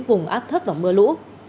vùng áp thấp và mưa lũ